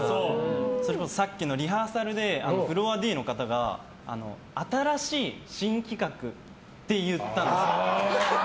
それこそ、さっきのリハーサルでフロアＤの方が新しい新企画って言ったんですよ。